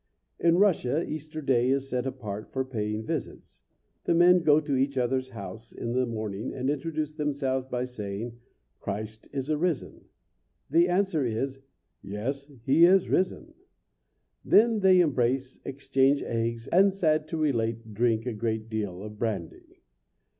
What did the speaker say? In Russia Easter day is set apart for paying visits. The men go to each other's house in the morning and introduce themselves by saying "Christ is arisen." The answer is "Yes, he is risen!" Then they embrace, exchange eggs, and sad to relate, drink a great deal of brandy.